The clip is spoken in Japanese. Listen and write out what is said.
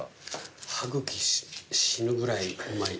歯茎死ぬぐらいうまい。